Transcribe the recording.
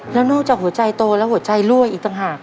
แล้วนอกจากหัวใจโตแล้วหัวใจรั่วอีกต่างหาก